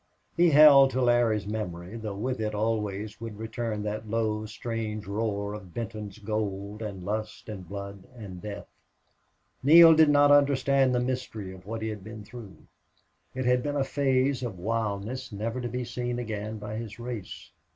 He held to Larry's memory, though with it always would return that low, strange roar of Benton's gold and lust and blood and death. Neale did not understand the mystery of what he had been through. It had been a phase of wildness never to be seen again by his race.